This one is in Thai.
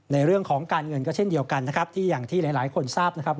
ในเรื่องของการเงินก็เช่นเดียวกันที่หลายคนทราบนะครับ